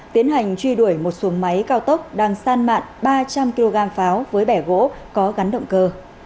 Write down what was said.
tiến hành truy đuổi một xuồng máy cao tốc đang san mạn ba trăm linh kg pháo với bẻ gỗ có gắn động cơ